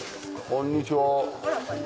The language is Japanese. こんにちは。